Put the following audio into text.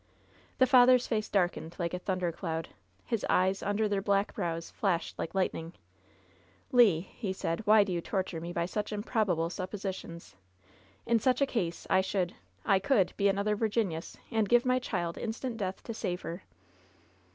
The father's face darkened like a thundercloud. His eyes, under their black brows, flashed like lightning. "Le,'' he said, "why do you torture me by such im probable suppositions? In such a case I should — ^I could be another Virginius, and give my child instant death to save her.''